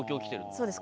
そうです。